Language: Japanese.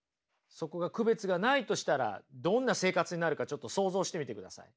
そこが区別がないとしたらどんな生活になるかちょっと想像してみてください。